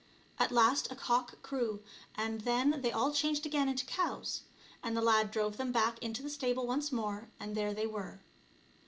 At last a cock crew, and then they all changed again into cows, and the lad drove them back into the stable once more, and there they were.